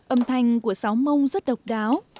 âm thanh của sáo mông rất độc đáo